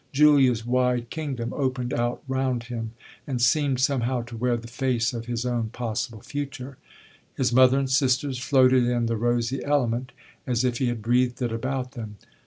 Julia's wide kingdom opened out round him and seemed somehow to wear the face of his own possible future. His mother and sisters floated in the rosy element as if he had breathed it about them.